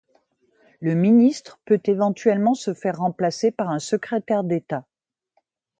Le ministre peut éventuellement se faire remplacer par un secrétaire d'État.